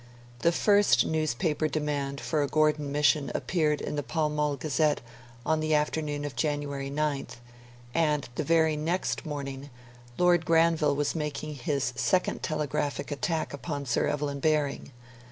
The first newspaper demand for a Gordon mission appeared in the "Pall Mall Gazette" on the afternoon of January 9th; and the very next morning, Lord Granville was making his second telegraphic attack upon Sir Evelyn Baring.